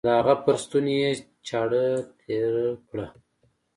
د هغه پر ستوني يې چاړه تېره کړه.